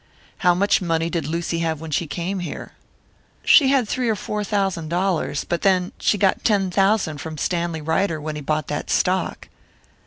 "How much money did Lucy have when she came here?" "She had three or four thousand dollars. But then, she got ten thousand from Stanley Ryder when he bought that stock."